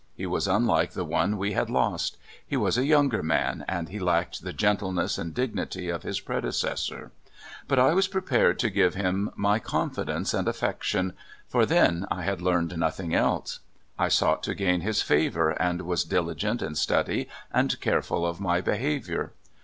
He was unlike the one we had lost. He was a younger man, and he lacked the gentleness and dignity of his predecessor. But I was prepared to give him my confidence and affection, for then I had learned nothing else. I sought to gain his favor, and was diligent in study and careful of my behavior.